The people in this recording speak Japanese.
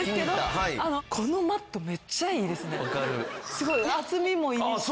すごい厚みもいいし。